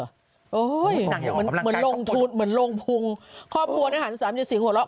โอ้โฮมันลงทุนเหมือนลงพุงข้อมูลอาหาร๓๔หัวเราะ